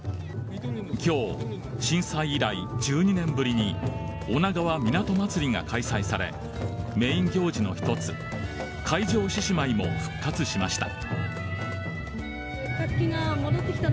今日、震災以来１２年ぶりにおながわみなと祭りが開催されメイン行事の一つ海上獅子舞も復活しました。